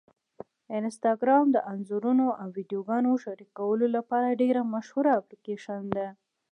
انسټاګرام د انځورونو او ویډیوګانو شریکولو لپاره ډېره مشهوره اپلیکېشن ده.